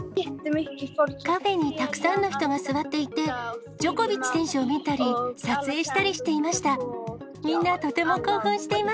カフェにたくさんの人が座っていて、ジョコビッチ選手を見たり、撮影したりしていました。